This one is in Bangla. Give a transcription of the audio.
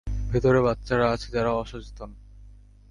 ভেতরে বাচ্চারা আছে যারা অসচেতন।